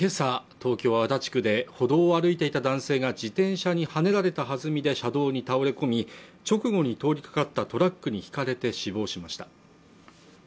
東京・足立区で歩道を歩いていた男性が自転車にはねられたはずみで車道に倒れ込み直後に通りかかったトラックにひかれて死亡しました